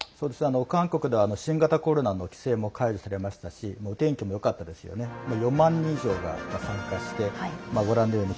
韓国では新型コロナの規制も解除されましたしお天気もよかったですよね。